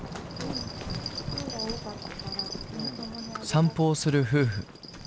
散歩をする夫婦。